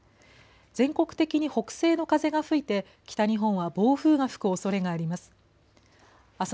全国的に北西の風が吹いて北日本は暴風が吹くおそれがあります。